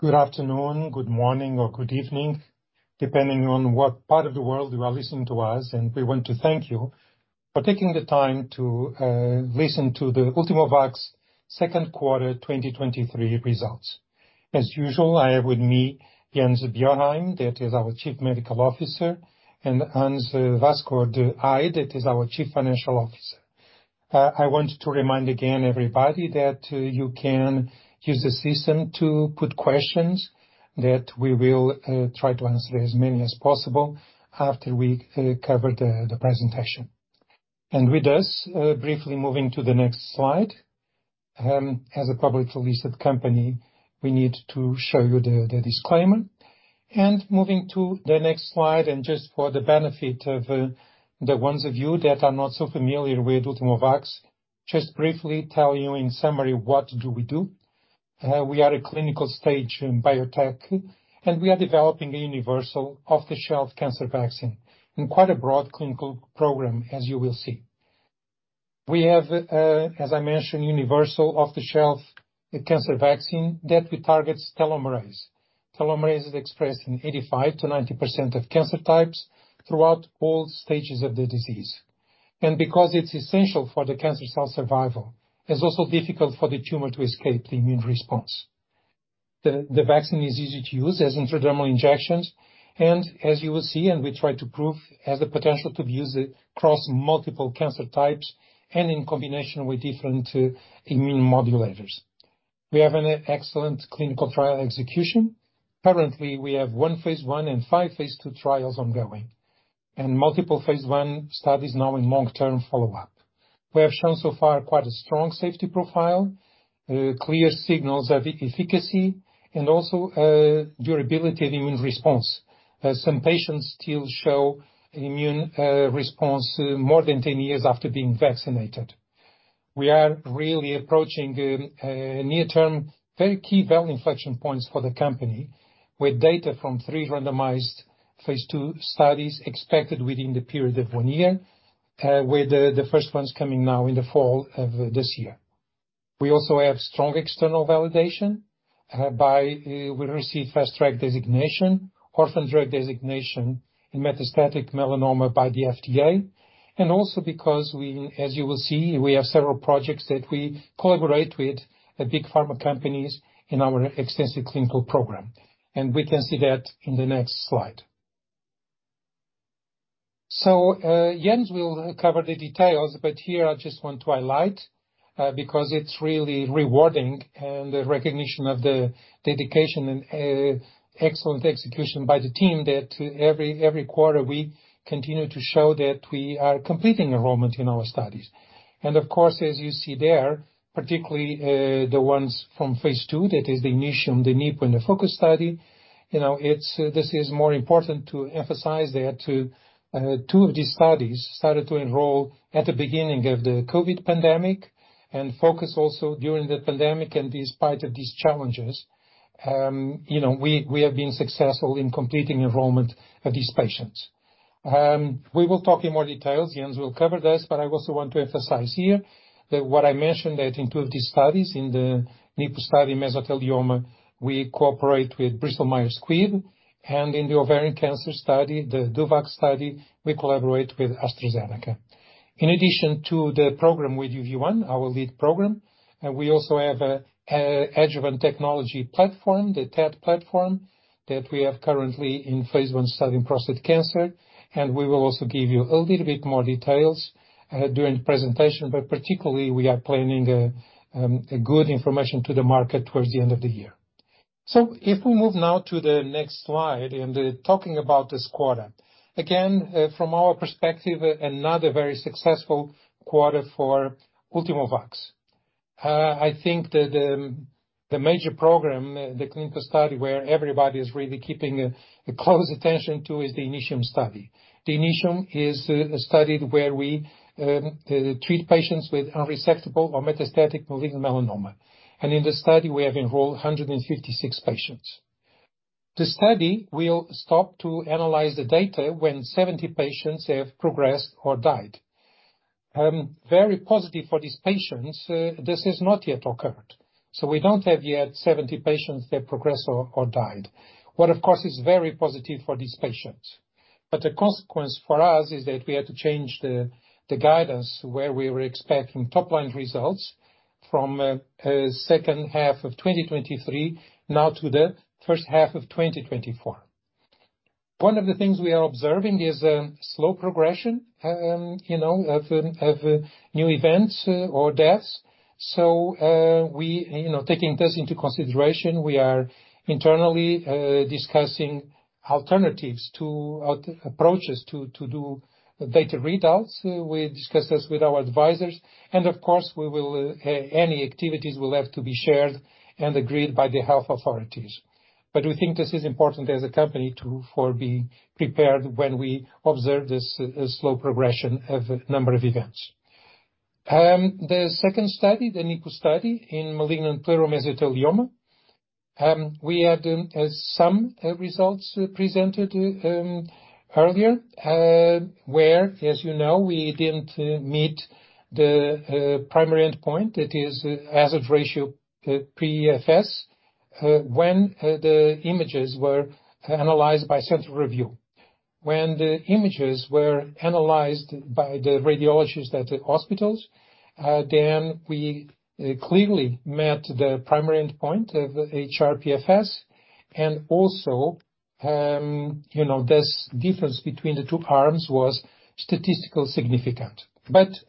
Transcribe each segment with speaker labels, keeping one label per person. Speaker 1: Good afternoon, good morning, or good evening, depending on what part of the world you are listening to us, and we want to thank you for taking the time to listen to the Ultimovacs second quarter 2023 results. As usual, I have with me Jens Bjørheim, that is our Chief Medical Officer, and Hans Vassgård Eid, that is our Chief Financial Officer. I want to remind again, everybody, that you can use the system to put questions, that we will try to answer as many as possible after we cover the presentation. With this, briefly moving to the next slide, as a publicly listed company, we need to show you the disclaimer. Moving to the next slide, and just for the benefit of, the ones of you that are not so familiar with Ultimovacs, just briefly tell you in summary, what do we do? We are a clinical stage in biotech, and we are developing a universal off-the-shelf cancer vaccine, and quite a broad clinical program, as you will see. We have, as I mentioned, universal off-the-shelf cancer vaccine that we targets telomerase. Telomerase is expressed in 85%-90% of cancer types throughout all stages of the disease. Because it's essential for the cancer cell survival, it's also difficult for the tumor to escape the immune response. The vaccine is easy to use as intradermal injections, and as you will see, and we try to prove, has the potential to be used across multiple cancer types and in combination with different immune modulators. We have an excellent clinical trial execution. Currently, we have one phase 1 and five phase 2 trials ongoing, and multiple phase 1 studies now in long-term follow-up. We have shown so far quite a strong safety profile, clear signals of efficacy, and also durability of immune response, as some patients still show immune response more than 10 years after being vaccinated. We are really approaching a near-term, very key value inflection points for the company, with data from three randomized phase 2 studies expected within the period of one year, with the first one's coming now in the fall of this year. We also have strong external validation by... We received Fast Track Designation, Orphan Drug Designation in metastatic melanoma by the FDA, and also because we, as you will see, we have several projects that we collaborate with the big pharma companies in our extensive clinical program. We can see that in the next slide. Jens will cover the details, but here I just want to highlight, because it's really rewarding and a recognition of the dedication and excellent execution by the team, that every, every quarter, we continue to show that we are completing enrollment in our studies. Of course, as you see there, particularly, the ones from phase 2, that is the INITIUM, the NIPU and the FOCUS study, you know, this is more important to emphasize that to, two of these studies started to enroll at the beginning of the COVID pandemic, and FOCUS also during the pandemic, and despite of these challenges, you know, we, we have been successful in completing enrollment of these patients. We will talk in more details, Jens will cover this, but I also want to emphasize here that what I mentioned that in two of these studies, in the NIPU study, mesothelioma, we cooperate with Bristol Myers Squibb, and in the ovarian cancer study, the DUO-O study, we collaborate with AstraZeneca. In addition to the program with UV1, our lead program, we also have a adjuvant technology platform, the TET platform, that we have currently in phase 1 study in prostate cancer. We will also give you a little bit more details during the presentation, particularly, we are planning a good information to the market towards the end of the year. If we move now to the next slide, talking about this quarter. Again, from our perspective, another very successful quarter for Ultimovacs. I think that the major program, the clinical study where everybody is really keeping a close attention to, is the INITIUM study. The INITIUM is a study where we treat patients with unresectable or metastatic malignant melanoma. In the study, we have enrolled 156 patients. The study will stop to analyze the data when 70 patients have progressed or died. Very positive for these patients, this has not yet occurred, so we don't have yet 70 patients that progressed or, or died. What, of course, is very positive for these patients, but the consequence for us is that we had to change the, the guidance where we were expecting top-line results from second half of 2023, now to the first half of 2024. One of the things we are observing is a slow progression, you know, of new events or deaths. We, you know, taking this into consideration, we are internally discussing alternatives to approaches to, to do data readouts. We discuss this with our advisors, and of course, we will, any activities will have to be shared and agreed by the health authorities. We think this is important as a company to for being prepared when we observe this slow progression of number of events. The second study, the NIPU study in malignant pleural mesothelioma. We had some results presented earlier, where, as you know, we didn't meet the primary endpoint. That is hazard ratio PFS, when the images were analyzed by central review. When the images were analyzed by the radiologists at the hospitals, then we clearly met the primary endpoint of HR PFS, and also, you know, this difference between the two arms was statistically significant.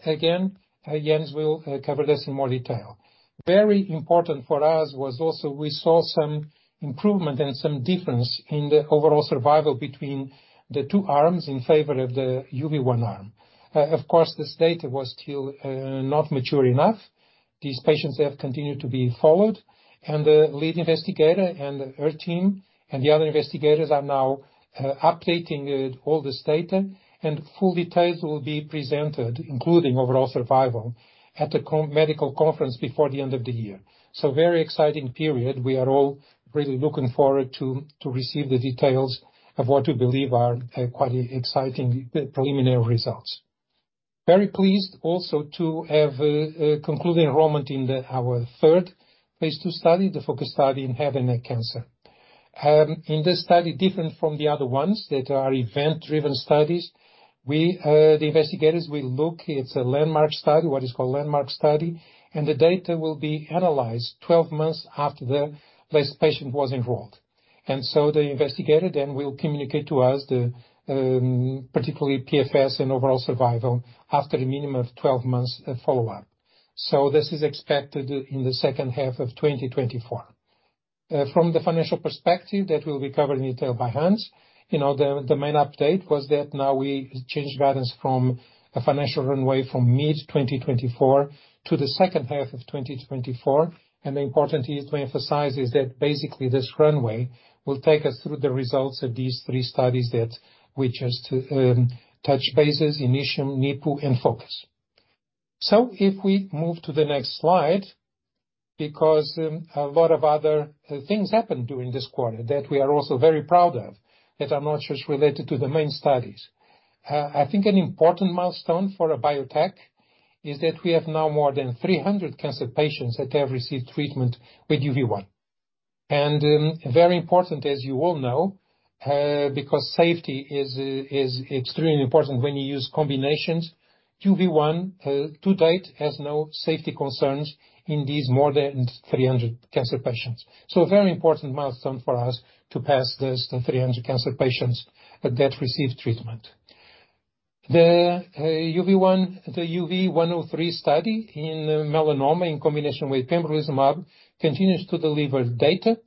Speaker 1: Again, Jens will cover this in more detail. Very important for us was also we saw some improvement and some difference in the overall survival between the two arms in favor of the UV1 arm. Of course, this data was still not mature enough. These patients have continued to be followed, and the lead investigator and her team, and the other investigators are now updating it, all this data, and full details will be presented, including overall survival, at the medical conference before the end of the year. Very exciting period. We are all really looking forward to, to receive the details of what we believe are quite exciting preliminary results. Very pleased also to have concluded enrollment in the, our third Phase II study, the FOCUS study in head and neck cancer. In this study, different from the other ones that are event-driven studies, we, the investigators will look, it's a landmark study, what is called a landmark study, and the data will be analyzed 12 months after the last patient was enrolled. The investigator then will communicate to us the particularly PFS and overall survival after a minimum of 12 months of follow-up. This is expected in the second half of 2024. From the financial perspective, that will be covered in detail by Hans, you know, the main update was that now we changed guidance from a financial runway from mid-2024 to the second half of 2024. The important is to emphasize is that basically this runway will take us through the results of these three studies that we just touch bases, INITIUM, NIPU, and FOCUS. If we move to the next slide, because, a lot of other things happened during this quarter that we are also very proud of, that are not just related to the main studies. I think an important milestone for a biotech is that we have now more than 300 cancer patients that have received treatment with UV1. Very important, as you all know, because safety is, is extremely important when you use combinations, UV1, to date, has no safety concerns in these more than 300 cancer patients. A very important milestone for us to pass this, the 300 cancer patients that received treatment. The UV1, the UV1-103 study in melanoma in combination with pembrolizumab continues to deliver data.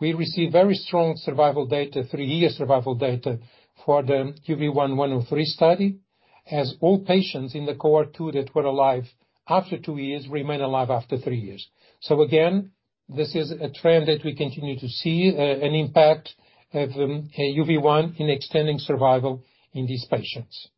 Speaker 1: We received very strong survival data, three-year survival data, for the UV1-103 study, as all patients in the cohort 2 that were alive after two years remained alive after three years. Again, this is a trend that we continue to see an impact of UV1 in extending survival in these patients.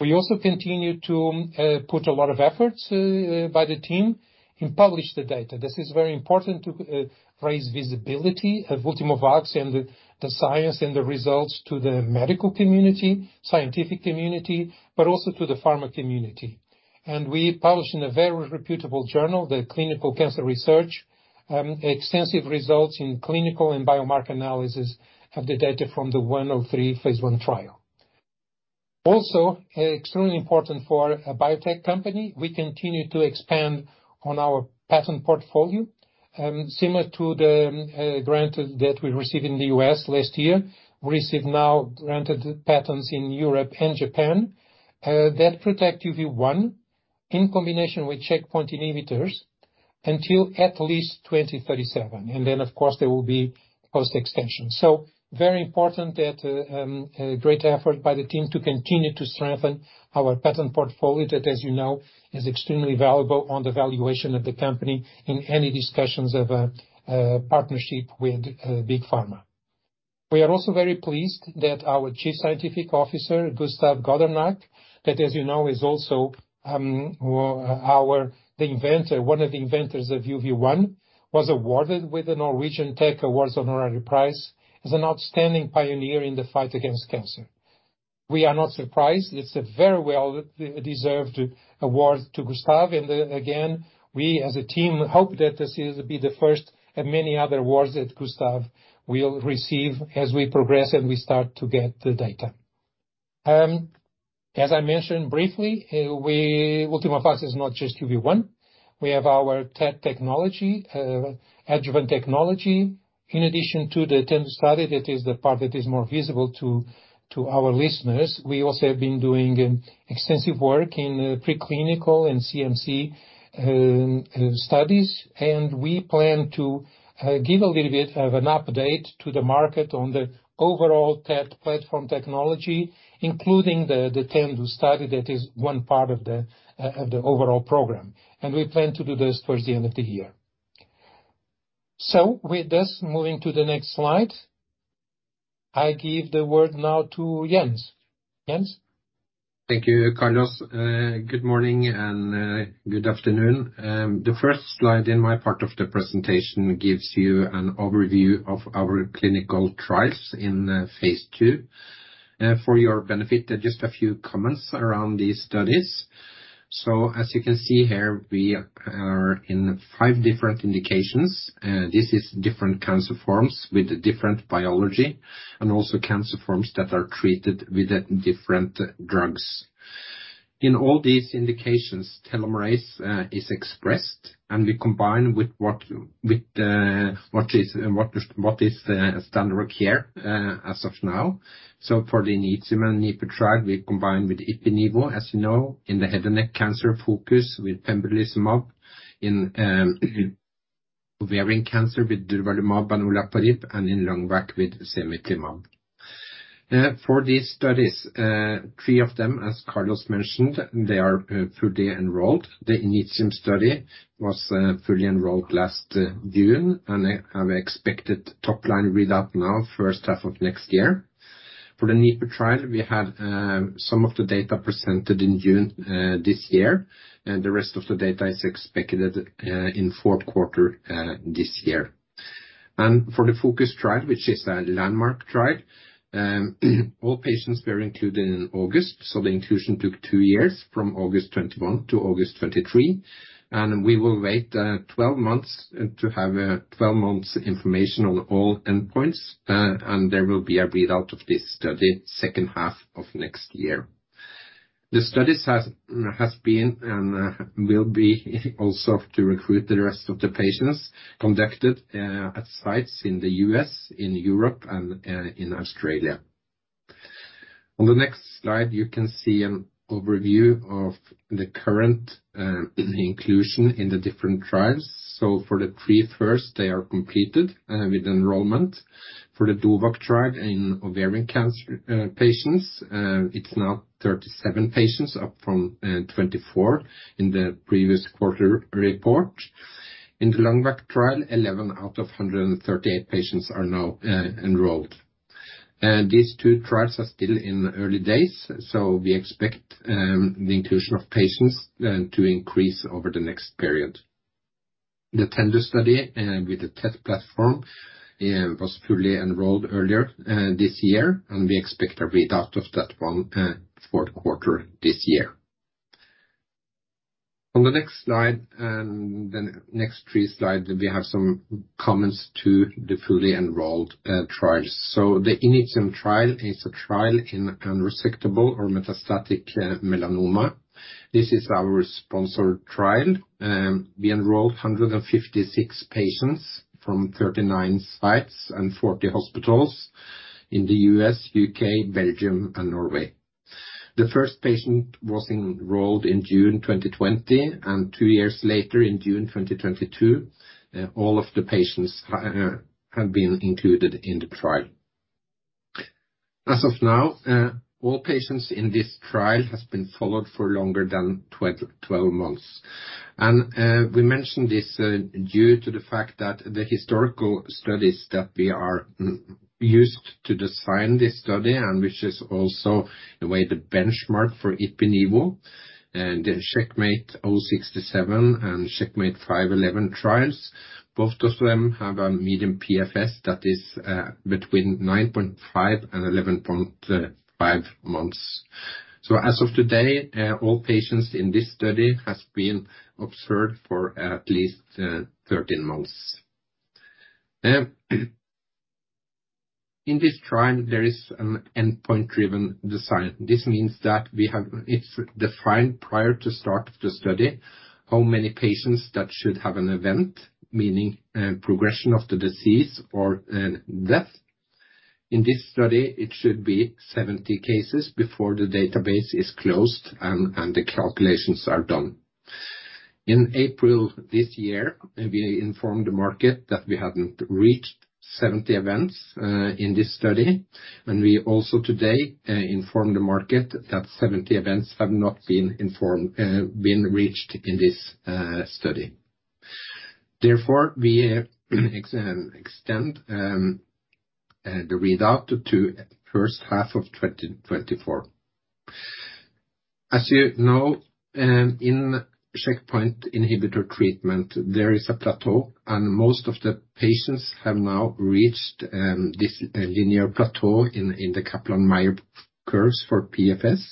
Speaker 1: We also continue to put a lot of efforts by the team, and publish the data. This is very important to raise visibility of Ultimovacs and the science and the results to the medical community, scientific community, but also to the pharma community. We published in a very reputable journal, the Clinical Cancer Research, extensive results in clinical and biomarker analysis of the data from the 103 phase 1 trial. Also, extremely important for a biotech company, we continue to expand on our patent portfolio. Similar to the grant that we received in the U.S. last year, we received now granted patents in Europe and Japan that protect UV1 in combination with checkpoint inhibitors until at least 2037, and then, of course, there will be post extension. Very important that a great effort by the team to continue to strengthen our patent portfolio, that, as you know, is extremely valuable on the valuation of the company in any discussions of a partnership with big pharma. We are also very pleased that our Chief Scientific Officer, Gustav Gaudernack, that, as you know, is also the inventor, one of the inventors of UV1, was awarded with the Norwegian Tech Awards Honorary Prize as an outstanding pioneer in the fight against cancer. We are not surprised. It's a very well-deserved award to Gustav. Again, we as a team hope that this is to be the first of many other awards that Gustav will receive as we progress and we start to get the data. As I mentioned briefly, Ultimovacs is not just UV1. We have our TET technology, adjuvant technology. In addition to the TENDU study, that is the part that is more visible to, to our listeners, we also have been doing extensive work in preclinical and CMC studies. We plan to give a little bit of an update to the market on the overall TET platform technology, including the TENDU study that is one part of the overall program. We plan to do this towards the end of the year. With this, moving to the next slide. I give the word now to Jens. Jens?
Speaker 2: Thank you, Carlos. Good morning and good afternoon. The first slide in my part of the presentation gives you an overview of our clinical trials in phase two. For your benefit, just a few comments around these studies. As you can see here, we are in five different indications, and this is different cancer forms with different biology, and also cancer forms that are treated with different drugs. In all these indications, telomerase is expressed, and we combine with what is standard of care as of now. For the INITIUM and NIPU trial, we combine with ipi-nivo, as you know, in the head and neck cancer FOCUS with pembrolizumab, in ovarian cancer, with durvalumab and olaparib, and in LUNGVAC with cemiplimab. For these studies, three of them, as Carlos mentioned, they are fully enrolled. The INITIUM study was fully enrolled last June, and I have expected top line readout now, first half of next year. For the NIPU trial, we had some of the data presented in June this year, and the rest of the data is expected in fourth quarter this year. For the FOCUS trial, which is a landmark trial, all patients were included in August, so the inclusion took two years, from August 2021 to August 2023, and we will wait 12 months to have 12 months information on all endpoints, and there will be a readout of this study second half of next year. The studies has, has been and will be also to recruit the rest of the patients, conducted at sites in the U.S., in Europe, and in Australia. On the next slide, you can see an overview of the current inclusion in the different trials. For the three first, they are completed with enrollment. For the DUO-O trial in ovarian cancer patients, it's now 37 patients, up from 24 in the previous quarter report. In the LUNGVAC trial, 11 out of 138 patients are now enrolled. These two trials are still in the early days, so we expect the inclusion of patients to increase over the next period. The TENDU study, with the TET platform, was fully enrolled earlier this year, and we expect a readout of that one, fourth quarter this year. On the next slide, and the next three slides, we have some comments to the fully enrolled trials. The INITIUM trial is a trial in unresectable or metastatic melanoma. This is our sponsor trial, we enrolled 156 patients from 39 sites and 40 hospitals in the U.S., U.K., Belgium and Norway. The first patient was enrolled in June 2020, and two years later, in June 2022, all of the patients have, have been included in the trial. As of now, all patients in this trial has been followed for longer than 12, 12 months. We mentioned this due to the fact that the historical studies that we used to design this study, and which is also the way the benchmark for ipi-nivo and the CheckMate-067 and CheckMate-511 trials, both of them have a median PFS that is between 9.5 and 11.5 months. As of today, all patients in this study has been observed for at least 13 months. In this trial, there is an endpoint-driven design. This means that we it's defined prior to start the study, how many patients that should have an event, meaning progression of the disease or death. In this study, it should be 70 cases before the database is closed and the calculations are done. In April this year, we informed the market that we hadn't reached 70 events in this study. We also today informed the market that 70 events have not been reached in this study. Therefore, we extend the readout to first half of 2024. As you know, in checkpoint inhibitor treatment, there is a plateau. Most of the patients have now reached this linear plateau in the Kaplan-Meier curves for PFS.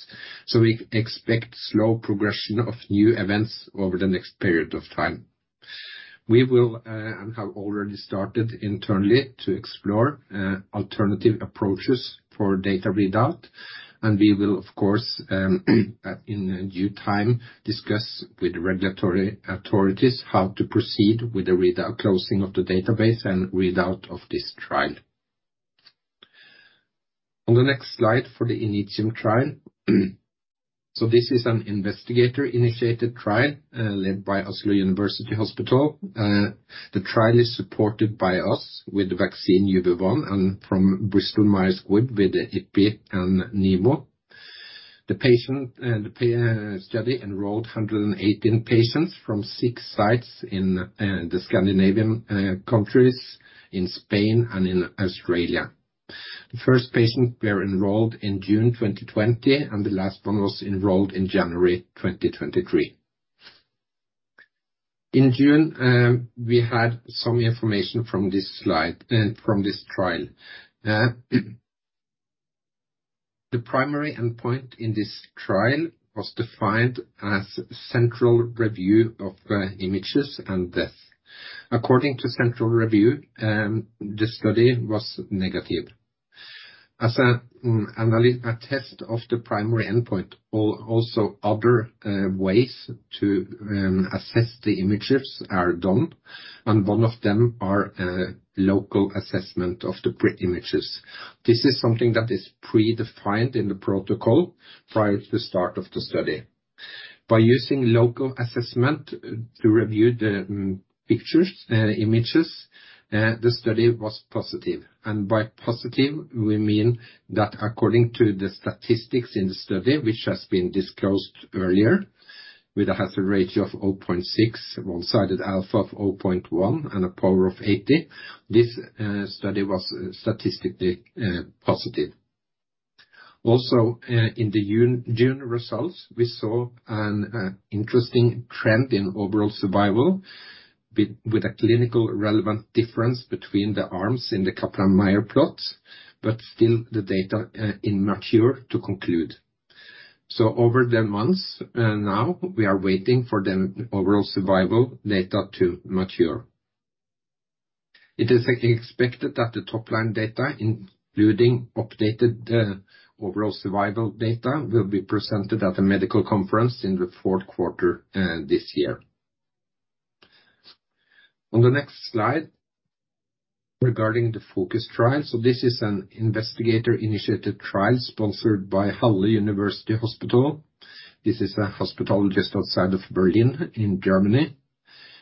Speaker 2: We expect slow progression of new events over the next period of time. We will and have already started internally to explore alternative approaches for data readout. We will, of course, in due time, discuss with regulatory authorities how to proceed with the readout, closing of the database and readout of this trial. On the next slide for the INITIUM trial. This is an investigator-initiated trial, led by Oslo University Hospital. The trial is supported by us with the vaccine UV1, and from Bristol Myers Squibb, with ipilimumab and nivolumab. The patient, the study enrolled 118 patients from six sites in the Scandinavian countries, in Spain and in Australia. The first patient were enrolled in June 2020, and the last one was enrolled in January 2023. In June, we had some information from this slide, from this trial. The primary endpoint in this trial was defined as central review of images and death. According to central review, the study was negative. As a analyst, a test of the primary endpoint, also other ways to assess the images are done, one of them are local assessment of the images. This is something that is predefined in the protocol prior to the start of the study. By using local assessment to review the pictures, images, the study was positive. By positive, we mean that according to the statistics in the study, which has been disclosed earlier, with a hazard ratio of 0.6, one-sided alpha of 0.1, and a power of 80, this study was statistically positive. In the June, June results, we saw an interesting trend in overall survival, with a clinical relevant difference between the arms in the Kaplan-Meier plots, still the data immature to conclude. Over the months, now we are waiting for the overall survival data to mature. It is expected that the top line data, including updated overall survival data, will be presented at a medical conference in the fourth quarter this year. The next slide, regarding the FOCUS trial, this is an investigator-initiated trial sponsored by University Hospital Halle (Saale). This is a hospital just outside of Berlin, in Germany,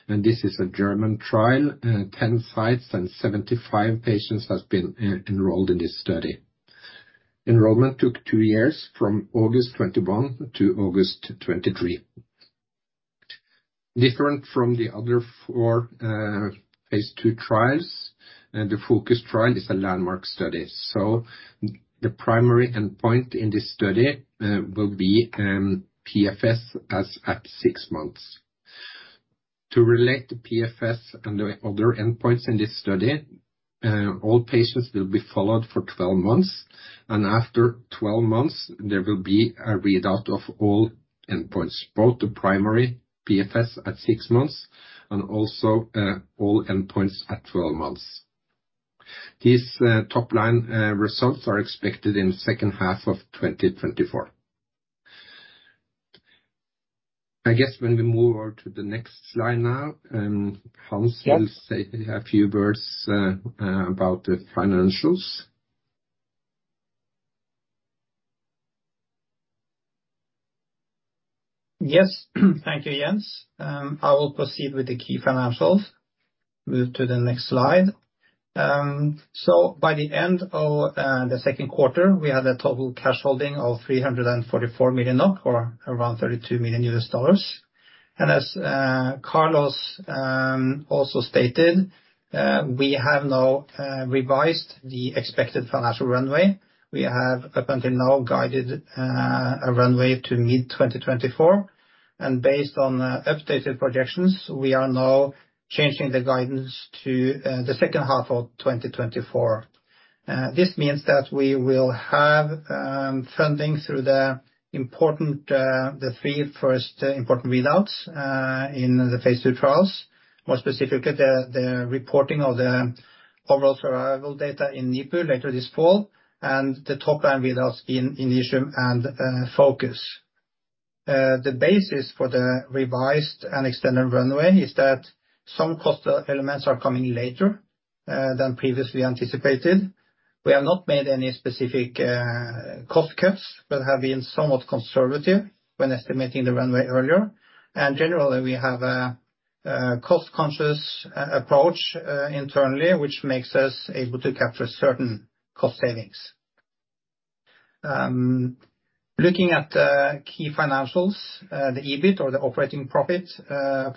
Speaker 2: and this is a German trial. 10 sites and 75 patients have been enrolled in this study. Enrollment took two years, from August 2021 to August 2023. Different from the other four phase II trials, the FOCUS trial is a landmark study. The primary endpoint in this study will be PFS as at six months. To relate the PFS and the other endpoints in this study, all patients will be followed for 12 months, and after 12 months, there will be a readout of all endpoints, both the primary PFS at six months and also, all endpoints at 12 months. These, top line, results are expected in the second half of 2024. I guess when we move over to the next slide now, Hans.
Speaker 3: Yes.
Speaker 2: will say a few words about the financials.
Speaker 3: Yes. Thank you, Jens. I will proceed with the key financials. Move to the next slide. By the end of the second quarter, we had a total cash holding of 344 million NOK, or around $32 million. As Carlos also stated, we have now revised the expected financial runway. We have up until now guided a runway to mid-2024, and based on the updated projections, we are now changing the guidance to the second half of 2024. This means that we will have funding through the important, the three first important readouts in the phase 2 trials. More specifically, the reporting of the overall survival data in NIPU later this fall, and the top-line readouts in INITIUM and FOCUS. The basis for the revised and extended runway is that some cost elements are coming later than previously anticipated. We have not made any specific cost cuts, but have been somewhat conservative when estimating the runway earlier. Generally, we have a cost-conscious approach internally, which makes us able to capture certain cost savings. Looking at key financials, the EBIT or the operating profit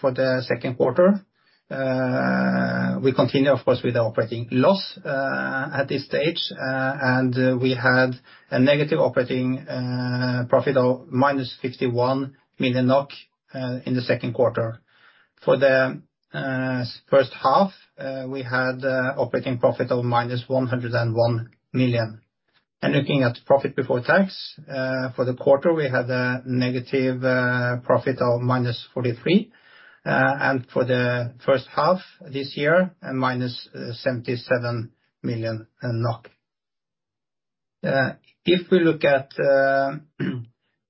Speaker 3: for the second quarter, we continue, of course, with the operating loss at this stage, and we had a negative operating profit of minus 51 million NOK in the second quarter. For the first half, we had operating profit of minus 101 million NOK. Looking at profit before tax for the quarter, we had a negative profit of -43 NOK, and for the first half this year, a -77 million NOK. If we look at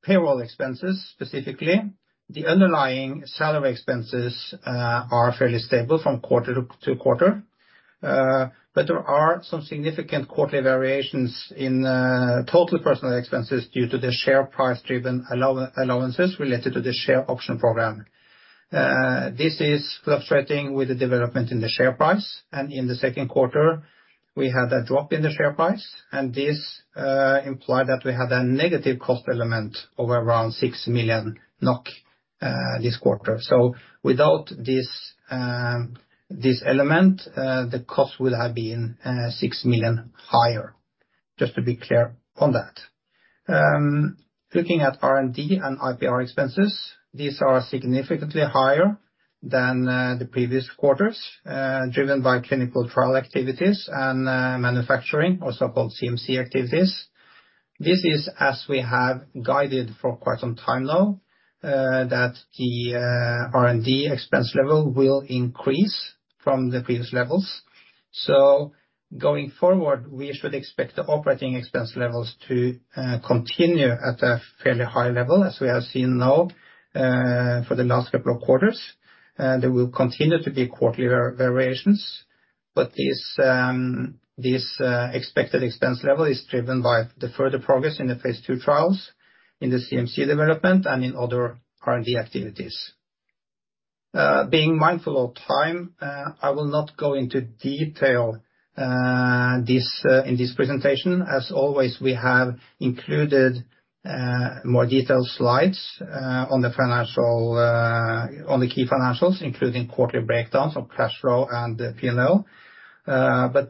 Speaker 3: payroll expenses specifically, the underlying salary expenses are fairly stable from quarter to quarter. There are some significant quarterly variations in total personnel expenses due to the share price-driven allowances related to the share option program. This is fluctuating with the development in the share price, and in the second quarter, we had a drop in the share price, and this implied that we had a negative cost element of around 6 million NOK this quarter. Without this, this element, the cost will have been 6 million higher, just to be clear on that. Looking at R&D and IPR expenses, these are significantly higher than the previous quarters, driven by clinical trial activities and manufacturing, or so-called CMC activities. This is as we have guided for quite some time now, that the R&D expense level will increase from the previous levels. Going forward, we should expect the operating expense levels to continue at a fairly high level, as we have seen now, for the last couple of quarters. There will continue to be quarterly variations, but this expected expense level is driven by the further progress in the phase II trials, in the CMC development, and in other R&D activities. Being mindful of time, I will not go into detail, this in this presentation. As always, we have included more detailed slides on the financial, on the key financials, including quarterly breakdowns of cash flow and the P&L.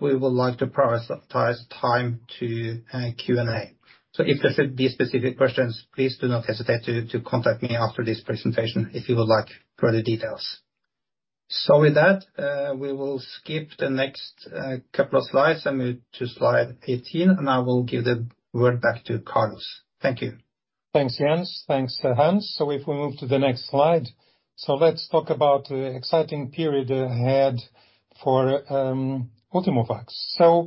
Speaker 3: We would like to prioritize time to Q&A. If there should be specific questions, please do not hesitate to contact me after this presentation, if you would like further details. With that, we will skip the next couple of slides and move to slide 18, and I will give the word back to Carlos. Thank you.
Speaker 1: Thanks, Jens. Thanks, Hans. If we move to the next slide. Let's talk about the exciting period ahead for Ultimovacs.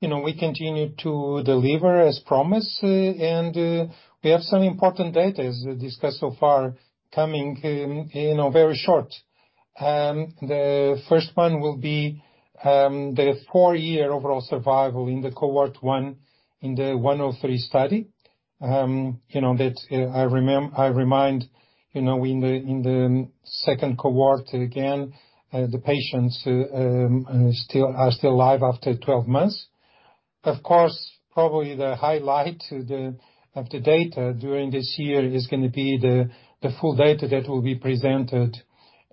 Speaker 1: You know, we continue to deliver as promised, and we have some important data as discussed so far, coming, you know, very short. The first one will be the four-year overall survival in the cohort 1, in the 103 study. You know, that I remind, you know, in the second cohort, again, the patients still, are still alive after 12 months. Of course, probably the highlight to the, of the data during this year is gonna be the, the full data that will be presented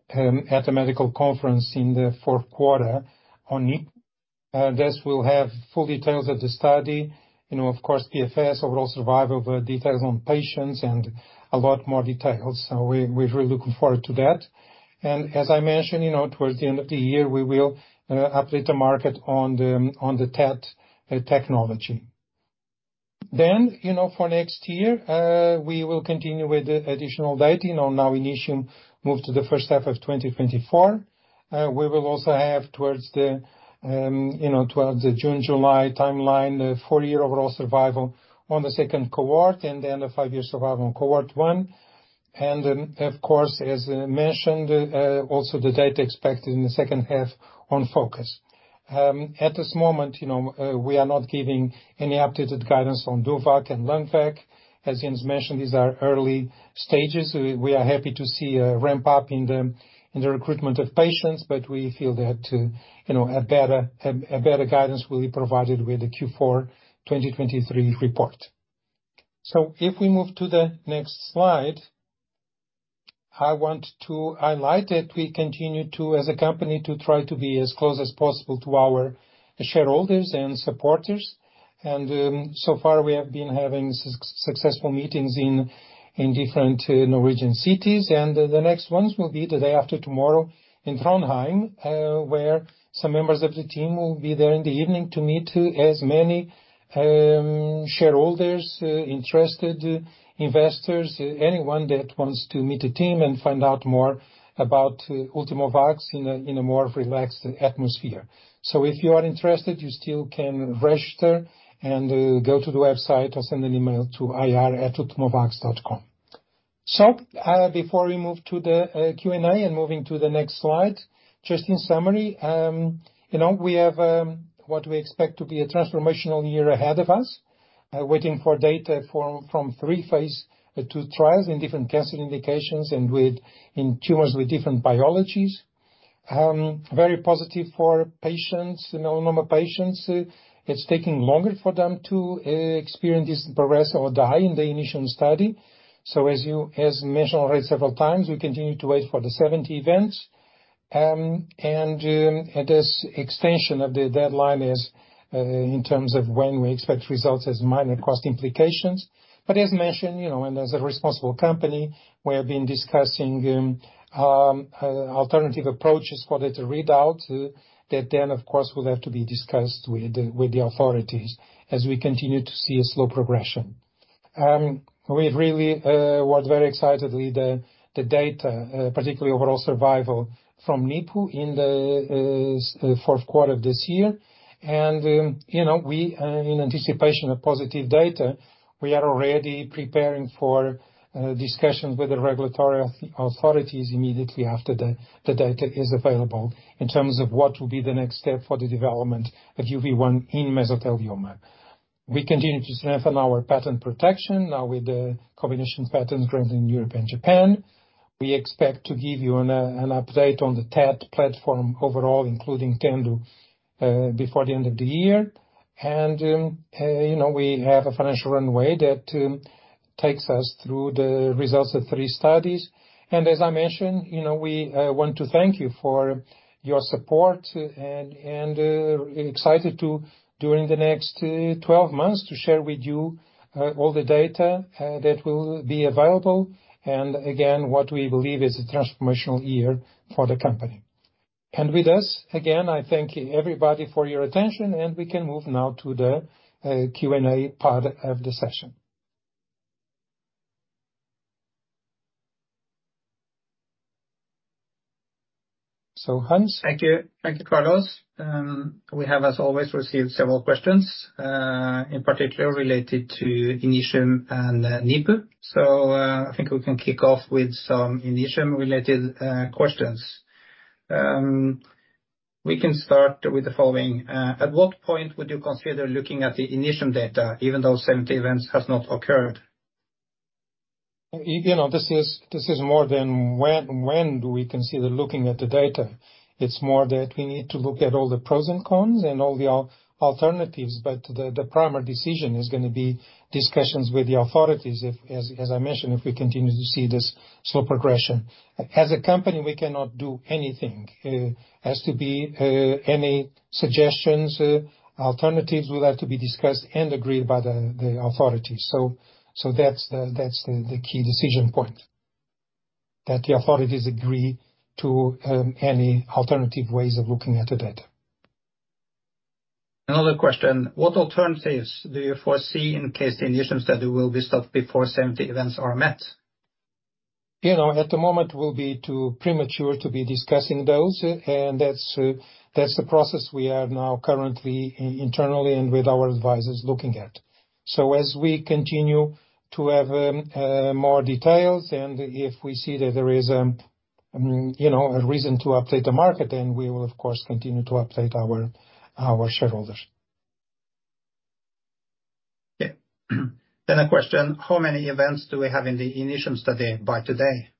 Speaker 1: at a medical conference in the fourth quarter on it. This will have full details of the study, you know, of course, PFS, overall survival, details on patients, and a lot more details. We, we're really looking forward to that. As I mentioned, you know, towards the end of the year, we will update the market on the, on the TET technology. You know, for next year, we will continue with the additional data, you know, now INITIUM move to the first half of 2024. We will also have towards the, you know, towards the June, July timeline, the four-year overall survival on the second cohort and the end of five-year survival in cohort 1. Then, of course, as mentioned, also the data expected in the second half on FOCUS. At this moment, you know, we are not giving any updated guidance on DUO-O and LUNGVAC. As Jens mentioned, these are early stages. We, we are happy to see a ramp up in the, in the recruitment of patients, but we feel that, you know, a better, a, a better guidance will be provided with the Q4 2023 report. If we move to the next slide, I want to highlight that we continue to, as a company, to try to be as close as possible to our shareholders and supporters. So far, we have been having successful meetings in, in different Norwegian cities, and the next ones will be the day after tomorrow in Trondheim, where some members of the team will be there in the evening to meet with as many shareholders, interested investors, anyone that wants to meet the team and find out more about Ultimovacs in a, in a more relaxed atmosphere. If you are interested, you still can register and go to the website or send an email to ir@ultimovacs.com. Before we move to the Q&A and moving to the next slide, just in summary, you know, we have what we expect to be a transformational year ahead of us, waiting for data from, from three phase two trials in different cancer indications and with in tumors with different biologies. Very positive for patients, you know, melanoma patients. It's taking longer for them to experience this progress or die in the initial study. As you mentioned already several times, we continue to wait for the 70 events. And this extension of the deadline is in terms of when we expect results as minor cost implications. As mentioned, you know, and as a responsible company, we have been discussing alternative approaches for the readout that then, of course, will have to be discussed with the authorities as we continue to see a slow progression. We really was very excited with the data, particularly overall survival from NIPU in the fourth quarter of this year. You know, we, in anticipation of positive data, we are already preparing for discussions with the regulatory authorities immediately after the data is available in terms of what will be the next step for the development of UV1 in mesothelioma. We continue to strengthen our patent protection, now with the combination patents growing in Europe and Japan. We expect to give you an update on the TET platform overall, including TENDU, before the end of the year. You know, we have a financial runway that takes us through the results of 3 studies. As I mentioned, you know, we, want to thank you for your support and, and, excited to, during the next, 12 months, to share with you, all the data, that will be available, and again, what we believe is a transformational year for the company. With this, again, I thank you, everybody, for your attention, and we can move now to the, Q&A part of the session. Hans?
Speaker 3: Thank you. Thank you, Carlos. We have, as always, received several questions, in particular related to INITIUM and NEPO. I think we can kick off with some INITIUM-related questions. We can start with the following: at what point would you consider looking at the INITIUM data, even though 70 events has not occurred?
Speaker 1: You, you know, this is, this is more than when, when do we consider looking at the data? It's more that we need to look at all the pros and cons and all the alternatives, but the, the primary decision is gonna be discussions with the authorities, if as, as I mentioned, if we continue to see this slow progression. As a company, we cannot do anything. Has to be any suggestions, alternatives will have to be discussed and agreed by the, the authorities. So that's the, that's the, the key decision point, that the authorities agree to any alternative ways of looking at the data.
Speaker 3: Another question: What alternatives do you foresee in case the INITIUM study will be stopped before 70 events are met?
Speaker 1: You know, at the moment will be too premature to be discussing those, and that's, that's the process we are now currently internally and with our advisors looking at. As we continue to have, more details, and if we see that there is, you know, a reason to update the market, then we will, of course, continue to update our, our shareholders.
Speaker 3: Yeah. A question: How many events do we have in the INITIUM study by today?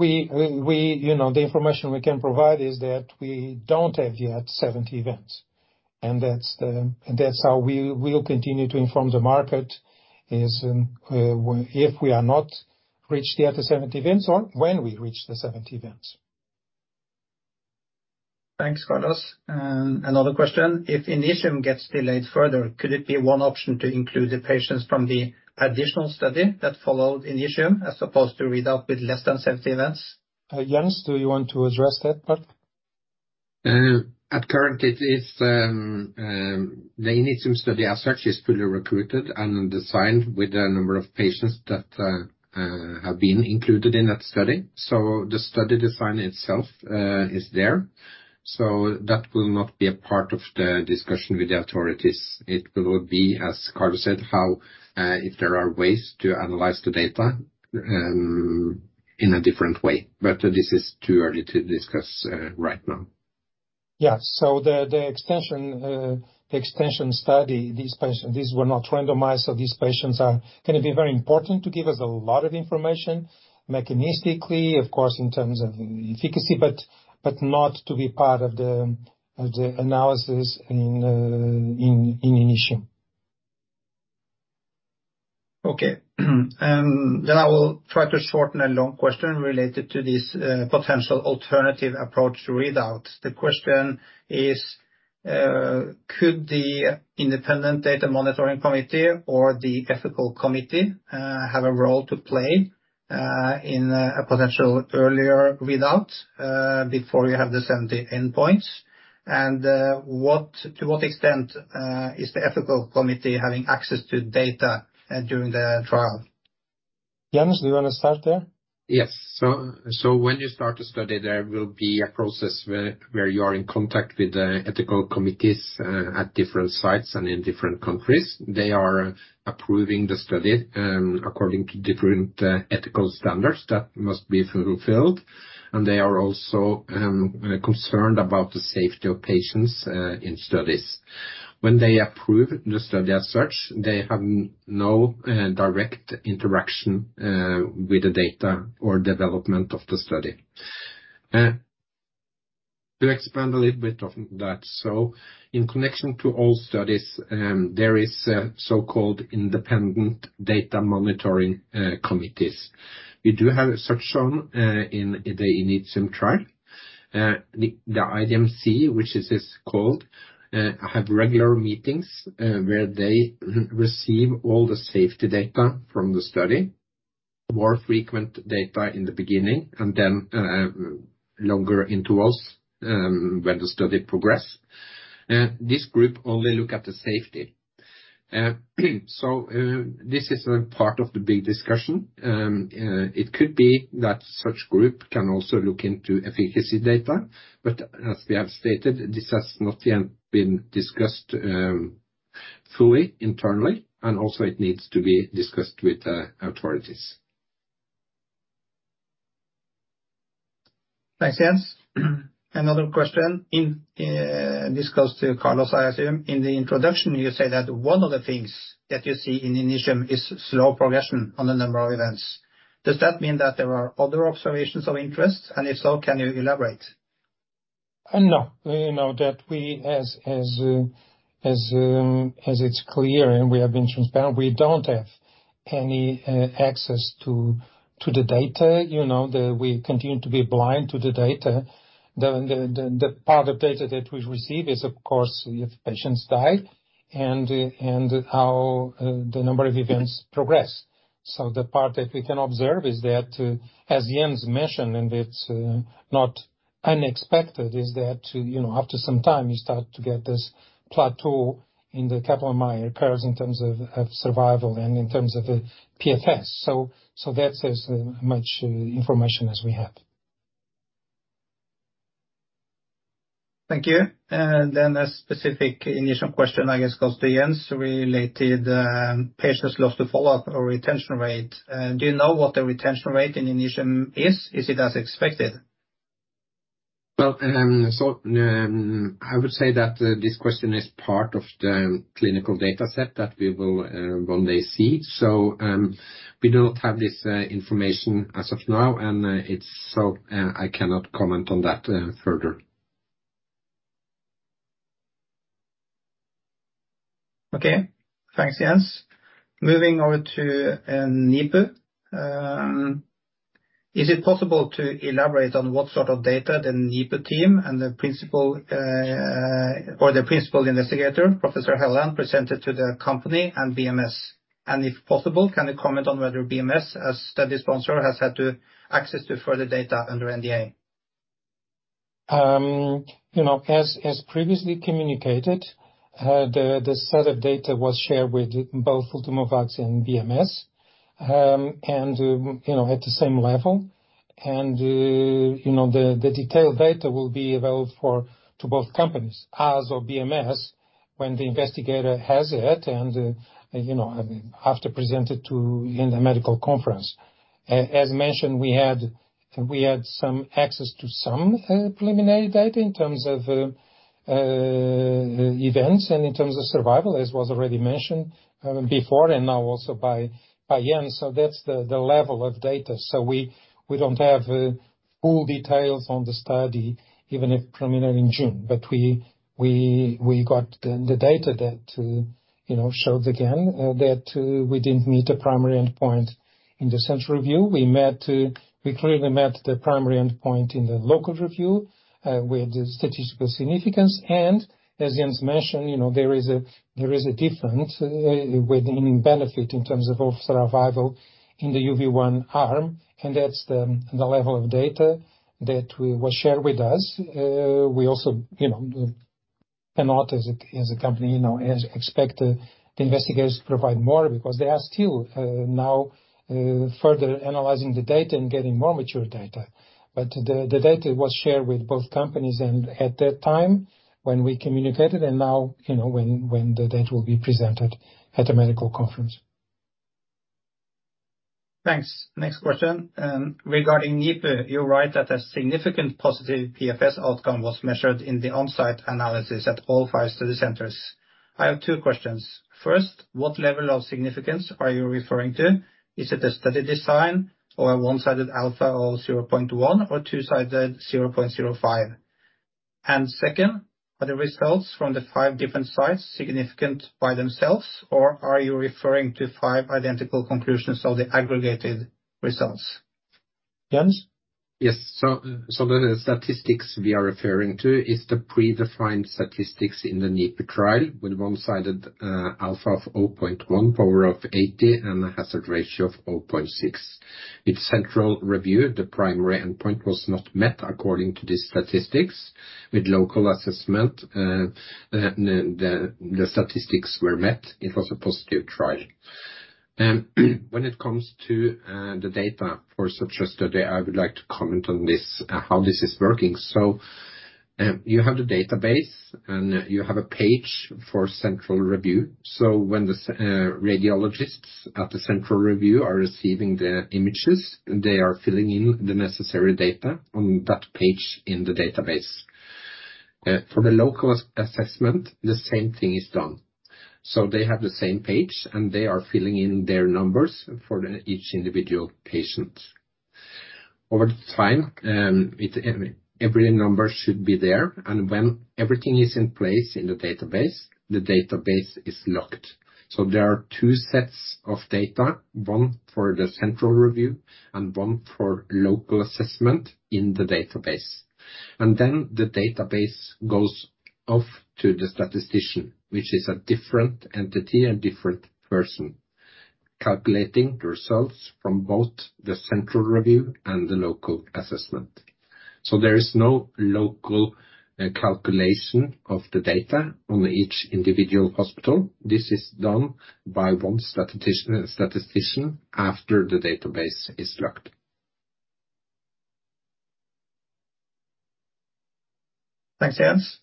Speaker 1: We, you know, the information we can provide is that we don't have yet 70 events, that's how we will continue to inform the market, is if we are not reached yet the 70 events or when we reach the 70 events.
Speaker 3: Thanks, Carlos. Another question: If INITIUM gets delayed further, could it be one option to include the patients from the additional study that followed INITIUM, as opposed to read out with less than 70 events?
Speaker 1: Jens, do you want to address that part?
Speaker 2: At current, it is, the INITIUM study as such is fully recruited and designed with a number of patients that have been included in that study. The study design itself is there. That will not be a part of the discussion with the authorities. It will be, as Carlos said, how, if there are ways to analyze the data, in a different way, but this is too early to discuss right now.
Speaker 1: Yeah. The, the extension, the extension study, these patients, these were not randomized, so these patients are gonna be very important to give us a lot of information, mechanistically, of course, in terms of efficacy, but, but not to be part of the, of the analysis in, in INITIUM.
Speaker 3: Okay. I will try to shorten a long question related to this, potential alternative approach readout. The question is: Could the independent data monitoring committee or the ethical committee, have a role to play, in a potential earlier readout, before you have the 70 endpoints? What- to what extent, is the ethical committee having access to data, during the trial?
Speaker 1: Jens, do you want to start there?
Speaker 2: Yes. When you start a study, there will be a process where, where you are in contact with the ethical committees at different sites and in different countries. They are approving the study according to different ethical standards that must be fulfilled, and they are also concerned about the safety of patients in studies. When they approve the study as such, they have no direct interaction with the data or development of the study. To expand a little bit on that: In connection to all studies, there is a so-called independent data monitoring committees. We do have such one in the INITIUM trial. The IDMC, which is, is called, have regular meetings, where they receive all the safety data from the study, more frequent data in the beginning, and then, longer intervals, when the study progress. This group only look at the safety. This is a part of the big discussion. It could be that such group can also look into efficacy data, but as we have stated, this has not yet been discussed, fully, internally, and also it needs to be discussed with the authorities.
Speaker 3: Thanks, Jens. Another question. In, this goes to Carlos, I assume. In the introduction, you said that one of the things that you see in INITIUM is slow progression on the number of events. Does that mean that there are other observations of interest? If so, can you elaborate?
Speaker 1: I know, you know, that we as, as, as, as it's clear, and we have been transparent, we don't have any access to the data. You know, we continue to be blind to the data. The, the, the, the part of data that we receive is, of course, if patients die and, and how the number of events progress. The part that we can observe is that, as Jens mentioned, and it's not unexpected, is that, you know, after some time, you start to get this plateau in the Kaplan-Meier curves in terms of, of survival and in terms of the PFS. That's as much information as we have.
Speaker 3: Thank you. Then a specific INITIUM question, I guess, goes to Jens, related, patients lost to follow-up or retention rate. Do you know what the retention rate in INITIUM is? Is it as expected?
Speaker 2: Well, I would say that this question is part of the clinical data set that we will one day see. We do not have this information as of now, and it's so, I cannot comment on that further.
Speaker 3: Okay. Thanks, Jens. Moving over to NIPU. Is it possible to elaborate on what sort of data the NIPU team and the principal, or the principal investigator, Åslaug Helland, presented to the company and BMS? If possible, can you comment on whether BMS, as study sponsor, has had to access to further data under NDA?
Speaker 1: You know, as, as previously communicated, the, the set of data was shared with both Ultimovacs and BMS, and, you know, at the same level, and, you know, the, the detailed data will be available for, to both companies, us or BMS, when the investigator has it and, you know, after presented to in the medical conference. As mentioned, we had, we had some access to some preliminary data in terms of events and in terms of survival, as was already mentioned, before and now also by, by Jens. That's the, the level of data. We, we don't have full details on the study, even if preliminary in June. We, we, we got the, the data that, you know, showed again that we didn't meet the primary endpoint in the central review. We met, we clearly met the primary endpoint in the local review with the statistical significance. As Jens mentioned, you know, there is a difference with benefit in terms of overall survival in the UV1 arm, and that's the level of data that we was shared with us. We also, you know, cannot, as a company, you know, expect the investigators to provide more, because they are still now further analyzing the data and getting more mature data. The data was shared with both companies, and at that time, when we communicated, and now, you know, when the data will be presented at a medical conference.
Speaker 3: Thanks. Next question. Regarding NIPU, you write that a significant positive PFS outcome was measured in the on-site analysis at all five study centers. I have two questions. First, what level of significance are you referring to? Is it a study design or a one-sided alpha or 0.1 or two-sided 0.05? Second, are the results from the five different sites significant by themselves, or are you referring to five identical conclusions of the aggregated results? Jens?
Speaker 2: Yes. The statistics we are referring to is the predefined statistics in the NIPU trial, with one-sided alpha of 0.1, power of 80, and a hazard ratio of 0.6. In central review, the primary endpoint was not met according to these statistics. With local assessment, the statistics were met. It was a positive trial. When it comes to the data for such a study, I would like to comment on this, how this is working. You have the database, and you have a page for central review. When the radiologists at the central review are receiving the images, they are filling in the necessary data on that page in the database. For the local assessment, the same thing is done. They have the same page, and they are filling in their numbers for the each individual patient. Over time, every number should be there, and when everything is in place in the database, the database is locked. There are two sets of data, one for the central review and one for local assessment in the database. Then the database goes off to the statistician, which is a different entity and different person, calculating the results from both the central review and the local assessment. There is no local calculation of the data on each individual hospital. This is done by one statistician after the database is locked.
Speaker 3: Thanks, Jens.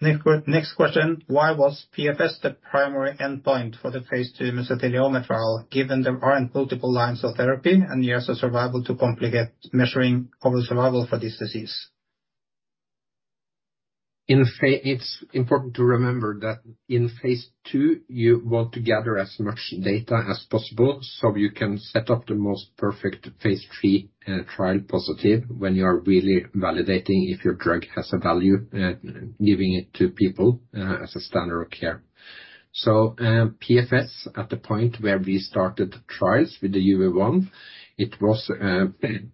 Speaker 3: Next question. Why was PFS the primary endpoint for the phase two mesothelioma trial, given there aren't multiple lines of therapy and years of survival to complicate measuring overall survival for this disease?
Speaker 2: It's important to remember that in phase 2, you want to gather as much data as possible, so you can set up the most perfect phase 3 trial positive when you are really validating if your drug has a value giving it to people as a standard of care. PFS, at the point where we started the trials with the UV1, it was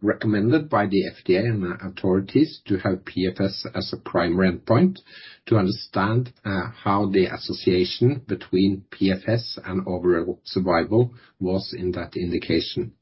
Speaker 2: recommended by the FDA and authorities to have PFS as a primary endpoint, to understand how the association between PFS and overall survival was in that indication.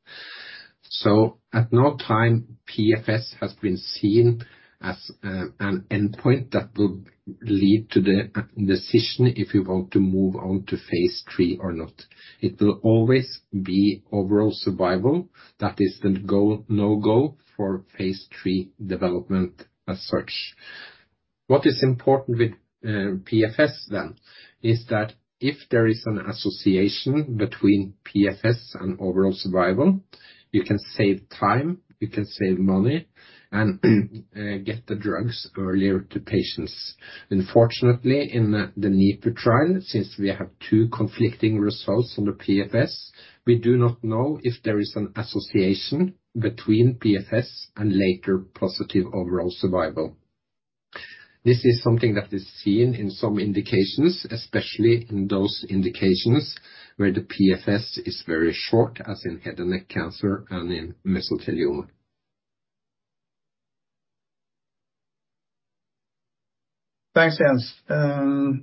Speaker 2: At no time, PFS has been seen as an endpoint that will lead to the decision if you want to move on to phase 3 or not. It will always be overall survival. That is the go, no-go for phase 3 development as such. What is important with PFS then, is that if there is an association between PFS and overall survival, you can save time, you can save money and get the drugs earlier to patients. Unfortunately, in the NIPU trial, since we have two conflicting results on the PFS, we do not know if there is an association between PFS and later positive overall survival. This is something that is seen in some indications, especially in those indications where the PFS is very short, as in head and neck cancer and in mesothelioma.
Speaker 3: Thanks, Jens. A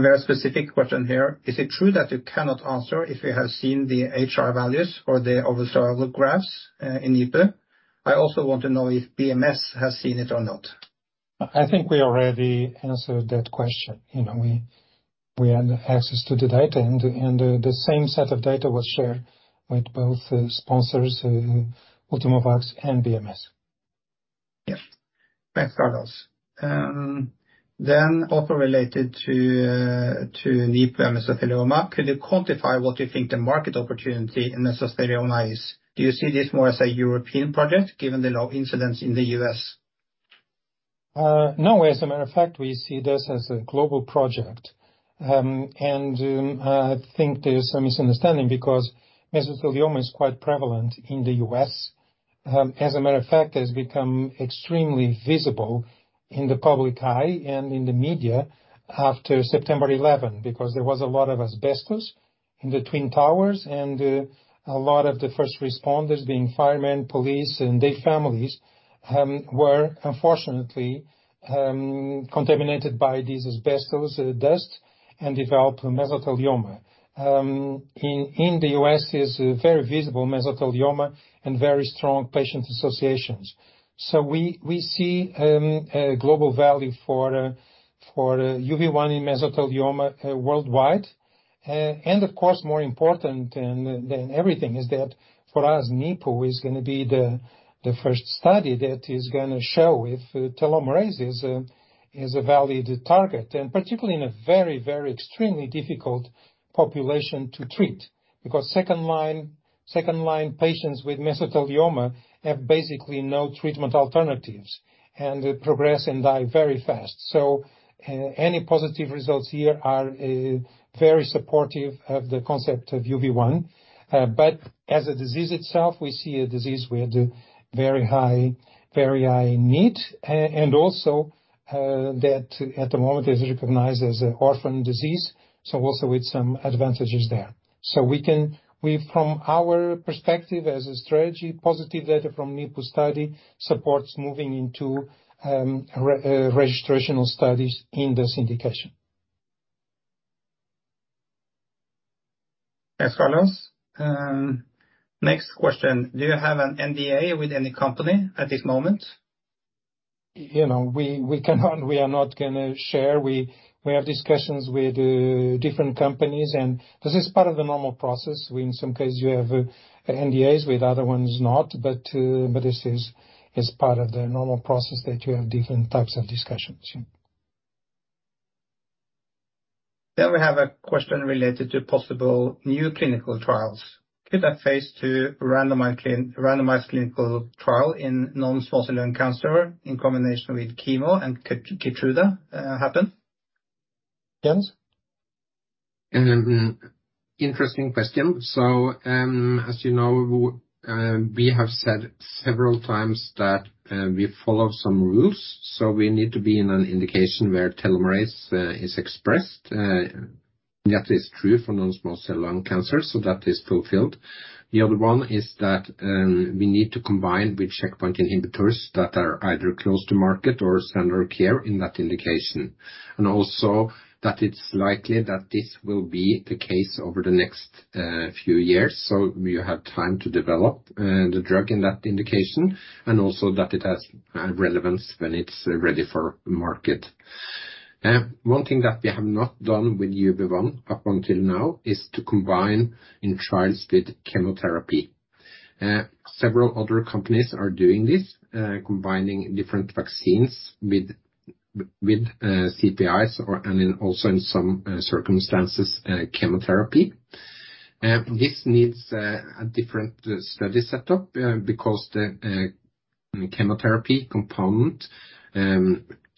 Speaker 3: very specific question here: Is it true that you cannot answer if you have seen the HR values or the overall survival graphs, in NIPU? I also want to know if BMS has seen it or not.
Speaker 1: I think we already answered that question. You know, we, we had access to the data, and the same set of data was shared with both sponsors, Ultimovacs and BMS.
Speaker 3: Yes. Thanks, Carlos. Also related to NIPU mesothelioma, can you quantify what you think the market opportunity in mesothelioma is? Do you see this more as a European project, given the low incidence in the U.S.?
Speaker 1: No, as a matter of fact, we see this as a global project. I think there's some misunderstanding, because mesothelioma is quite prevalent in the U.S. As a matter of fact, it's become extremely visible in the public eye and in the media after September 11, because there was a lot of asbestos in the Twin Towers, and a lot of the first responders, being firemen, police, and their families, were unfortunately, contaminated by this asbestos dust and developed mesothelioma. In, in the U.S., is very visible mesothelioma and very strong patient associations. We, we see a global value for, for UV1 in mesothelioma worldwide. Of course, more important than, than everything, is that for us, NIPU is going to be the, the first study that is going to show if telomerase is a, is a valid target, and particularly in a very, very extremely difficult population to treat. Second line, second line patients with mesothelioma have basically no treatment alternatives, and they progress and die very fast. Any positive results here are very supportive of the concept of UV1. As a disease itself, we see a disease with very high, very high need, and also that at the moment is recognized as an orphan disease, so also with some advantages there. We from our perspective as a strategy, positive data from NIPU study supports moving into registrational studies in this indication.
Speaker 3: Thanks, Carlos. Next question: Do you have an NDA with any company at this moment?
Speaker 1: You know, we, we cannot, we are not going to share. We, we have discussions with different companies, and this is part of the normal process. We in some cases, you have NDAs, with other ones, not, but this is part of the normal process, that you have different types of discussions. Yeah.
Speaker 3: We have a question related to possible new clinical trials. Could a phase II randomized randomized clinical trial in non-small cell lung cancer in combination with chemo and Keytruda happen? Jens?
Speaker 2: Interesting question. As you know, we have said several times that we follow some rules, we need to be in an indication where telomerase is expressed. That is true for non-small cell lung cancer, that is fulfilled. The other one is that we need to combine with checkpoint inhibitors that are either close to market or standard care in that indication, and also that it's likely that this will be the case over the next few years. You have time to develop the drug in that indication, and also that it has relevance when it's ready for market. One thing that we have not done with UV1 up until now, is to combine in trials with chemotherapy. Several other companies are doing this, combining different vaccines with, with, CPIs or, and in also in some, circumstances, chemotherapy. This needs a different study setup, because the chemotherapy component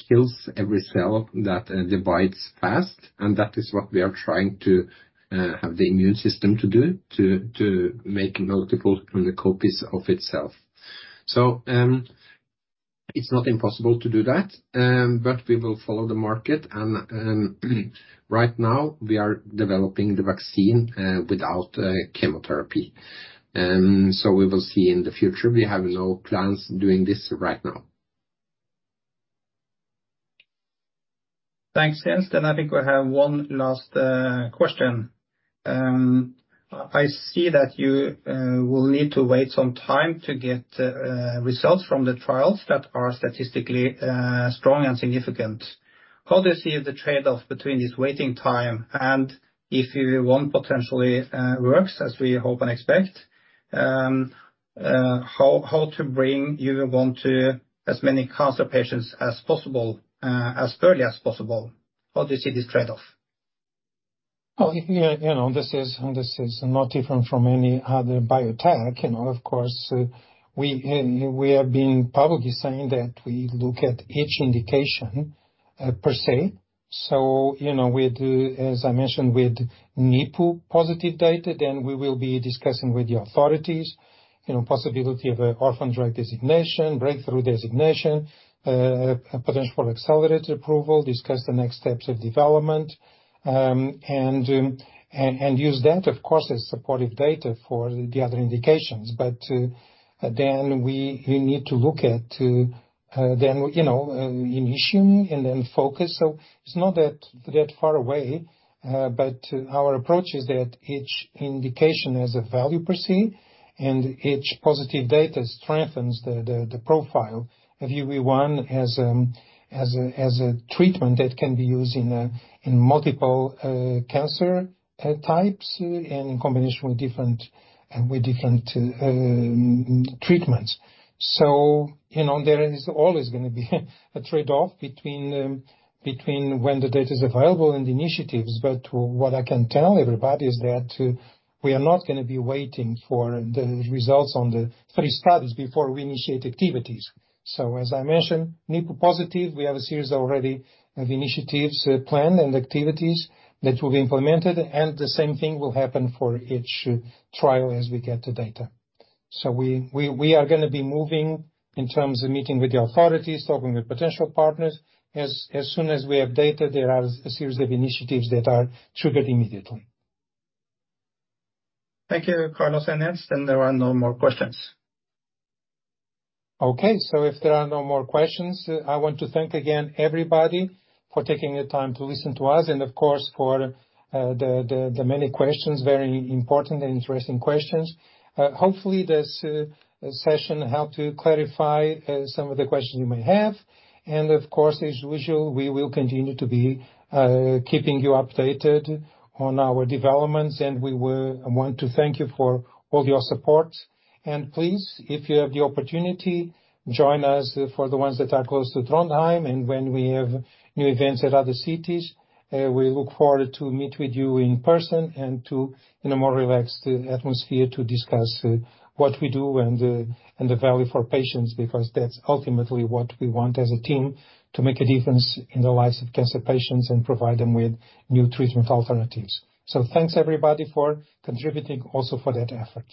Speaker 2: kills every cell that divides fast, and that is what we are trying to, have the immune system to do, to, to make multiple copies of itself. It's not impossible to do that, but we will follow the market, and, right now, we are developing the vaccine, without chemotherapy. We will see in the future. We have no plans doing this right now.
Speaker 3: Thanks, Jens. I think we have one last question. I see that you will need to wait some time to get results from the trials that are statistically strong and significant. How do you see the trade-off between this waiting time and if UV1 potentially works, as we hope and expect, how to bring UV1 to as many cancer patients as possible, as early as possible? How do you see this trade-off?
Speaker 1: You know, this is, this is not different from any other biotech, you know. Of course, we, we have been publicly saying that we look at each indication, per se. You know, we do, as I mentioned, with NIPU-positive data, then we will be discussing with the authorities, you know, possibility of an Orphan Drug Designation, Breakthrough Designation, a potential Accelerated Approval, discuss the next steps of development, and, and, and use that, of course, as supportive data for the other indications. Then we, we need to look at, then, you know, initiating and then FOCUS. It's not that, that far away, but our approach is that each indication has a value per se, and each positive data strengthens the profile of UV1 as a treatment that can be used in multiple cancer types and in combination with different, with different treatments. You know, there is always gonna be a trade-off between when the data is available and initiatives. But what I can tell everybody is that we are not gonna be waiting for the results on the three studies before we initiate activities. As I mentioned, nipple positive, we have a series already of initiatives planned and activities that will be implemented, and the same thing will happen for each trial as we get the data. We are gonna be moving in terms of meeting with the authorities, talking with potential partners. As soon as we have data, there are a series of initiatives that are triggered immediately.
Speaker 3: Thank you, Carlos and Jens. There are no more questions.
Speaker 1: If there are no more questions, I want to thank again, everybody, for taking the time to listen to us, and of course, for the many questions, very important and interesting questions. Hopefully, this session helped to clarify some of the questions you may have. Of course, as usual, we will continue to be keeping you updated on our developments, and we will want to thank you for all your support. Please, if you have the opportunity, join us for the ones that are close to Trondheim, and when we have new events at other cities, we look forward to meet with you in person and to, in a more relaxed atmosphere, to discuss what we do and the, and the value for patients, because that's ultimately what we want as a team, to make a difference in the lives of cancer patients and provide them with new treatment alternatives. Thanks, everybody, for contributing also for that effort.